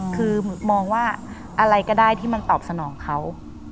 คือมองว่าอะไรก็ได้ที่มันตอบสนองเขา